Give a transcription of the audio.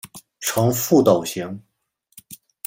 呈覆斗形。